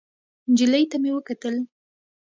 نجلۍ ته مې وکتل.